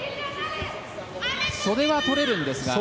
袖は取れるんですが。